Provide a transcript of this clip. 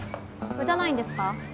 打たないんですか？